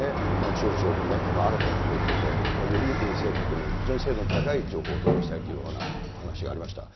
気象庁も新たな方法でより正確に、非常に精度の高い情報を得たいという話がありました。